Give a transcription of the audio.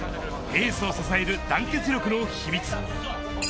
エースを支える団結力の秘密。